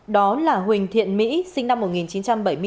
đó là huỳnh thiện mỹ sinh năm một nghìn chín trăm bảy mươi bốn